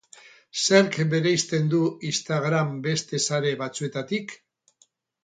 Zerk bereizten du Instagram beste sare batzuetatik?